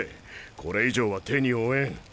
これ以上は手に負えん。